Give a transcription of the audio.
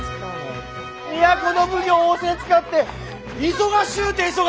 都の奉行を仰せつかって忙しゅうて忙しゅうて！